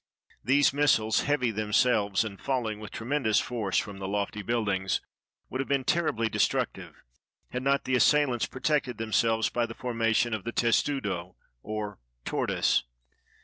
These missiles, heavy themselves, and falling with tremendous force from the lofty buildings, would have been terribly de structive, had not the assailants protected themselves by the formation of the tesiudo or tortoise.